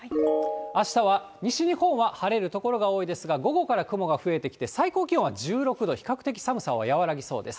あしたは西日本は晴れる所が多いですが、午後から雲が増えてきて、最高気温は１６度、比較的寒さは和らぎそうです。